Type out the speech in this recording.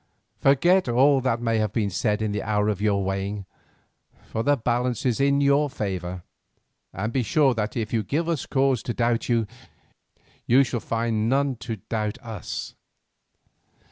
Forget all that may have been said in the hour of your weighing, for the balance is in your favour, and be sure that if you give us no cause to doubt you, you shall find none to doubt us.